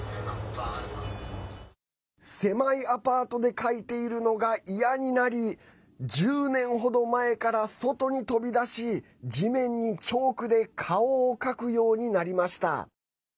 狭いアパートで描いているのが嫌になり、１０年程前から外に飛び出し地面に、チョークで顔を描くようになりました。